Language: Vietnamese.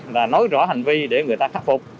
và nói rõ hành vi để người ta khắc phục